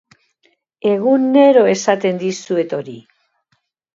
Egunero esaten dizuet hori.